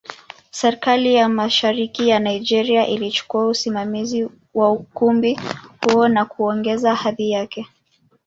Serikali ya Mashariki ya Nigeria ilichukua usimamizi wa ukumbi huo na kuongeza hadhi yake.